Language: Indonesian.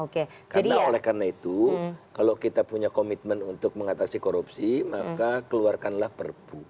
karena oleh karena itu kalau kita punya komitmen untuk mengatasi korupsi maka keluarkanlah perpu